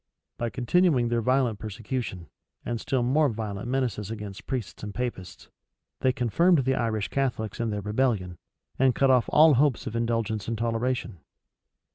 By continuing their violent persecution, and still more violent menaces against priests and Papists, they confirmed the Irish Catholics in their rebellion, and cut off all hopes of indulgence and toleration.